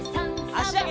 あしあげて。